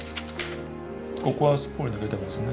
ここはすっぽり抜けてますね。